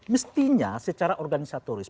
mestinya secara organisatoris